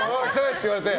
って言われて。